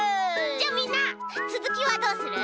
じゃあみんなつづきはどうする？